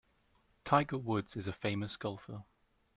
Tiger Woods is a famous golfer.